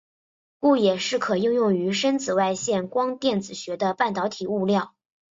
故也是可应用于深紫外线光电子学的半导体物料。